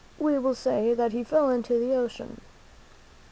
we will say that he fell into the ocean."